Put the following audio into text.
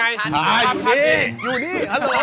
อ่าอยู่นี่อยู่นี่ฮัลโหล